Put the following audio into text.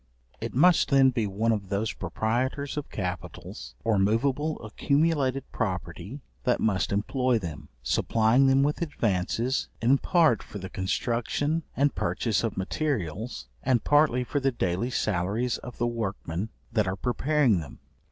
It must then be one of those proprietors of capitals, or moveable accumulated property that must employ them, supplying them with advances in part for the construction and purchase of materials, and partly for the daily salaries of the workmen that are preparing them.